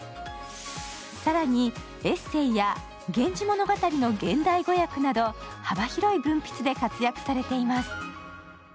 更に、エッセイや「源氏物語」の現代語訳など幅広い文筆で活躍されています。